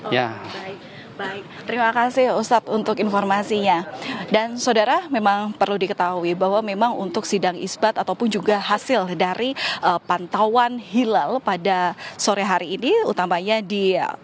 ya baik baik terima kasih ustadz untuk informasinya dan saudara memang perlu diketahui bahwa memang untuk sidang isbat ataupun juga hasil dari pantauan hilal pada sore hari ini utamanya di